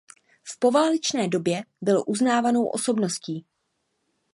V poválečné době byl uznávanou osobností.